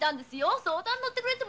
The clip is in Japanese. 相談に乗ってくれても。